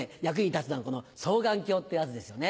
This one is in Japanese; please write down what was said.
立つのがこの双眼鏡ってやつですよね。